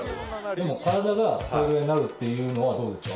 でも体がそれぐらいになるっていうのはどうですか？